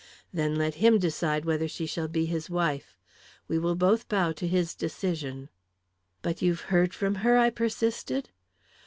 Then let him decide whether she shall be his wife. We will both bow to his decision." "But you've heard from her?" I persisted.